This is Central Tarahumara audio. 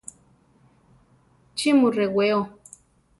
¿Chí mu rewéo?